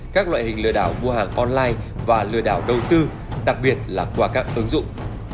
các loại hình lừa đảo mua hàng online và lừa đảo đầu tư đặc biệt là qua các ứng dụng